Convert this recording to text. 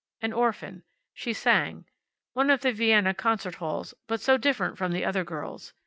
An orphan. She sang. One of the Vienna concert halls, but so different from the other girls.